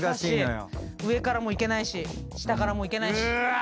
上からもいけないし下からもいけないし。